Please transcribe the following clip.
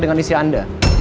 dengan istri anda